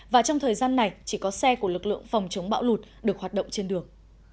và trong thời gian này chỉ có xe của lực lượng phòng chống bão lụt được hoạt động trên đường